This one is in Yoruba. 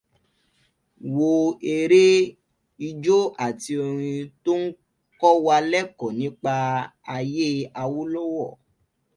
Wo eré, ijó, àti orin tó ń kọ́ wa lẹ́kọ̀ọ́ nípa ayé Awólọ́wọ̀